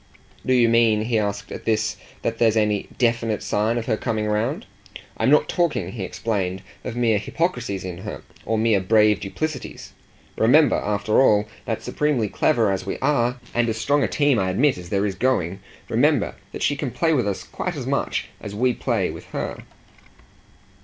"Do you mean," he asked at this, "that there's any DEFINITE sign of her coming round? I'm not talking," he explained, "of mere hypocrisies in her, or mere brave duplicities. Remember, after all, that supremely clever as we are, and as strong a team, I admit, as there is going remember that she can play with us quite as much as we play with her."